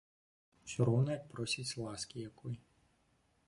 Усё роўна як просіць ласкі якой.